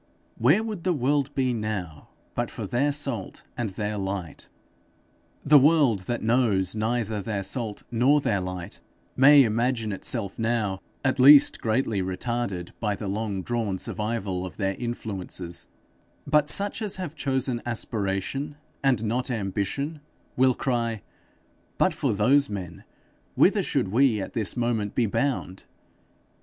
Where would the world be now but for their salt and their light! The world that knows neither their salt nor their light may imagine itself now at least greatly retarded by the long drawn survival of their influences; but such as have chosen aspiration and not ambition, will cry, But for those men, whither should we at this moment be bound!